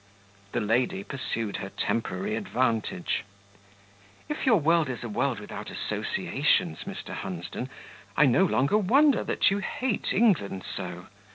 The lady pursued her temporary advantage. "If your world is a world without associations, Mr. Hunsden, I no longer wonder that you hate England so.